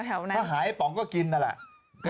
ก็ใช่ไม่ได้อย่างนี้หรอก